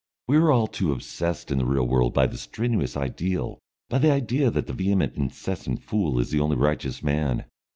We are all too obsessed in the real world by the strenuous ideal, by the idea that the vehement incessant fool is the only righteous man.